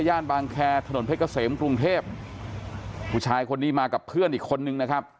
บางแคร์ถนนเพชรเกษมกรุงเทพผู้ชายคนนี้มากับเพื่อนอีกคนนึงนะครับ